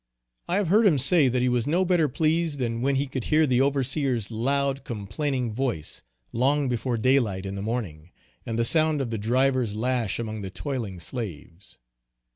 I have heard him say that he was no better pleased than when he could hear the overseer's loud complaining voice, long before daylight in the morning, and the sound of the driver's lash among the toiling slaves.